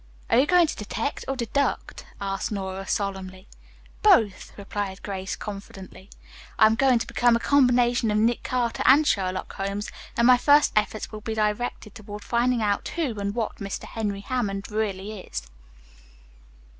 "Are you going to detect or deduct?" asked Nora solemnly. "Both," replied Grace confidently. "I am going to become a combination of Nick Carter and Sherlock Holmes, and my first efforts will be directed toward finding out who and what Mr. Henry Hammond really is."